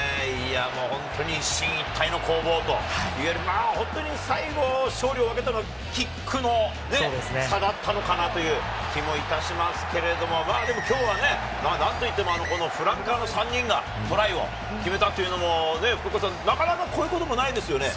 一進一退の攻防といえる最後勝利を分けたのは、キックの差だったのかなという気もいたしますけれども、きょうは何と言ってもフランカーの３人がトライを決めたというのなかなかこういうこともないですよね。